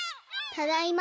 ただいま。